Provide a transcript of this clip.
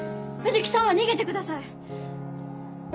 藤木さんは逃げてください。